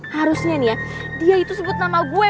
harusnya nih ya dia itu sebut nama gue